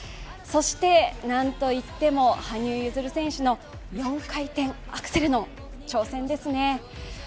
そしてなんといっても羽生結弦選手の４回転アクセルの挑戦ですね。